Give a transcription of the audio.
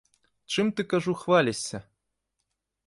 Чым ты, кажу, хвалішся?